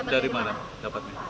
dari mana dapatnya